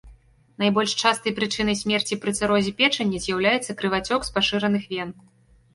Найбольш частай прычынай смерці пры цырозе печані з'яўляецца крывацёк з пашыраных вен.